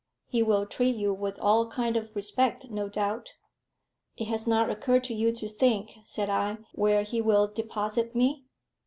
He will treat you with all kind of respect, no doubt." "It has not occurred to you to think," said I, "where he will deposit me?